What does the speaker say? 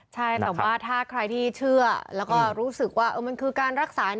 ใช่แต่ว่าถ้าใครที่เชื่อแล้วก็รู้สึกว่ามันคือการรักษา